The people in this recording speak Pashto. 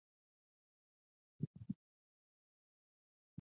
افغانستان تر هغو نه ابادیږي، ترڅو ملي بیرغ ته درناوی ونشي.